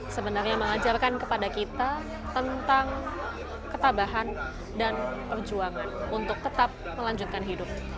sebenarnya mengajarkan kepada kita tentang ketabahan dan perjuangan untuk tetap melanjutkan hidup